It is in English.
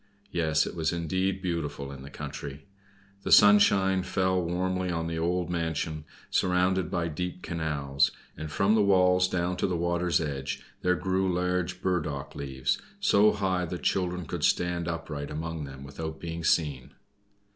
Yes; it was indeed beautiful in the country! The sunshine fell warmly on an old mansion, surrounded by deep canals, and from the walls down to the water's edge there grew large burdock leaves, so high that children could stand upright among them without being seen.